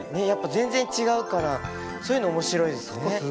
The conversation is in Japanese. やっぱ全然違うからそういうの面白いですね。